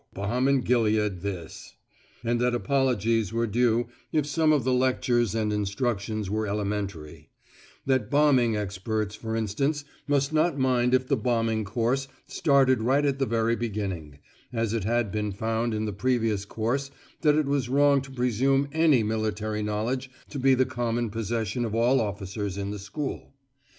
balm in Gilead this!) and that apologies were due if some of the lectures and instructions were elementary; that bombing experts, for instance, must not mind if the bombing course started right at the very beginning, as it had been found in the previous course that it was wrong to presume any military knowledge to be the common possession of all officers in the school.